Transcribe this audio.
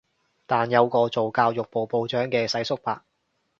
但有個做教育部部長嘅世叔伯